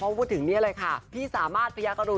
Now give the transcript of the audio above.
เพราะพูดถึงนี้เลยค่ะพี่สามารถพระยักษ์อรุณ